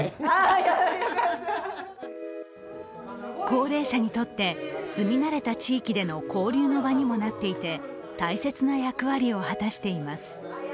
高齢者にとって住み慣れた地域での交流の場にもなっていて大切な役割を果たしています。